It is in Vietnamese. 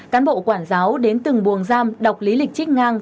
cán bộ quản giáo đến từng buồng giam đọc lý lịch chích ngang